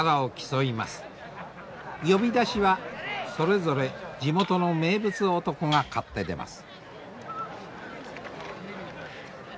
呼出はそれぞれ地元の名物男が買って出ます。